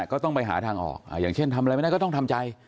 ก็ต้องไปหาทางออกอย่างเช่นทำอะไรไม่ได้ก็ต้องทำใจ